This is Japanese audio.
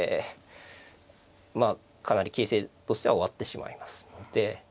かなり形勢としては終わってしまいますので。